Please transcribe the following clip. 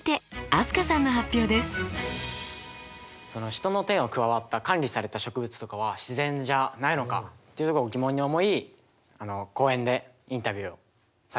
人の手が加わった管理された植物とかは自然じゃないのかっていうとこを疑問に思い公園でインタビューをさせていただきました。